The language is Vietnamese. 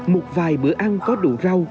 một vài bữa ăn có đủ rau